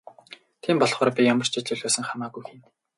Тийм болохоор би ямар ч ажил байсан хамаагүй хийнэ.